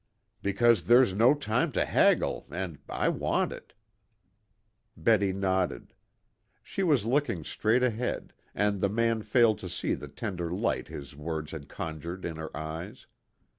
"Because there's no time to haggle, and I want it." Betty nodded. She was looking straight ahead, and the man failed to see the tender light his words had conjured in her eyes.